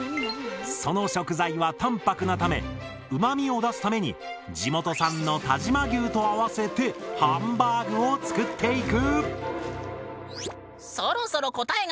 その食材は淡泊なためうまみを出すために地元産の但馬牛と合わせてハンバーグを作っていく！